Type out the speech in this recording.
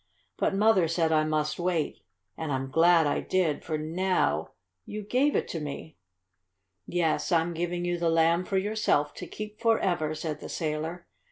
But Mother said I must wait, and I'm glad I did, for now you gave it to me." "Yes, I'm giving you the Lamb for yourself to keep forever," said the sailor.